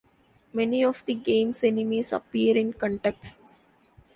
Many of the game's enemies appear in contexts.